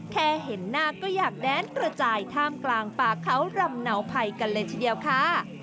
แค่เห็นหน้าก็อยากแดนกระจายท่ามกลางป่าเขารำเนาภัยกันเลยทีเดียวค่ะ